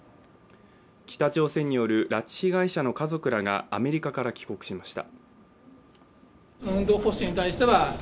北朝鮮による拉致被害者の家族らがアメリカから帰国しました。